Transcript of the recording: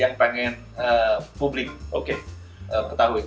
yang pengen publik oke ketahui